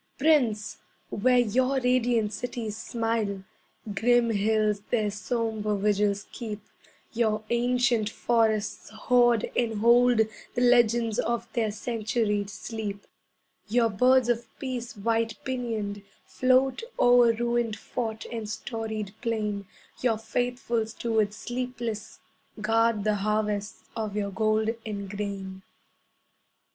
Prince, where your radiant cities smile, Grim hills their sombre vigils keep, Your ancient forests hoard and hold The legends of their centuried sleep; Your birds of peace white pinioned float O'er ruined fort and storied plain, Your faithful stewards sleepless guard The harvests of your gold and grain.